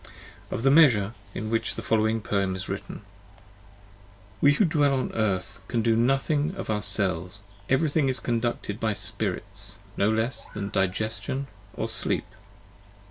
OF THE MEASURE, IN WHICH THE FOLLOWING PoEM IS WRITTEN . 30 We who dwell on Earth can do nothing of ourselves, every thing is conducted by Spirits, no less than Digestion or Sleep